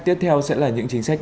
tiếp theo sẽ là những chính sách